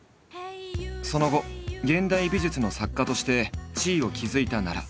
その後現代美術の作家として地位を築いた奈良。